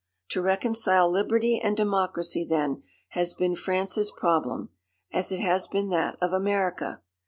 To reconcile liberty and democracy, then, has been France's problem, as it has been that of America.